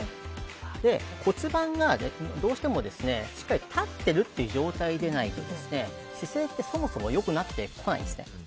骨盤が、どうしてもしっかり立ってる状態でないと姿勢ってそもそも良くなってこないんですね。